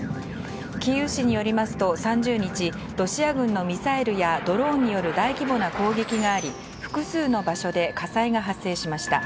キーウ市によりますと、３０日ロシア軍のミサイルやドローンによる大規模な攻撃があり複数の場所で火災が発生しました。